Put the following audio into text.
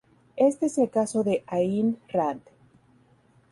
Este es el caso de Ayn Rand.